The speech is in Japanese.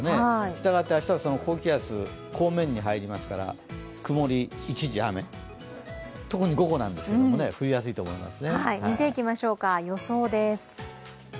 したがって、明日は高気圧、後面に入りますから曇り一時雨、特に午後なんですけども、降りやすいと思います。